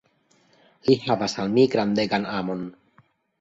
Li havas al mi grandegan amon.